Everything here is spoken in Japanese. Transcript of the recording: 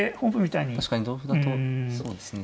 確かに同歩だとそうですね。